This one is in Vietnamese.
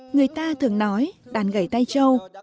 người ta thường nói đàn gãy tay trâu